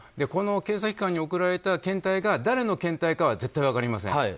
この検査機関に送られた検体が誰の検体かは絶対分かりません。